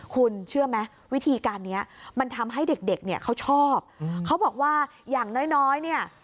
คุณเชื่อไหมวิธีการนี้มันทำให้เด็กเด็กเนี่ยเขาชอบเขาบอกว่าอย่างน้อยน้อยเนี่ย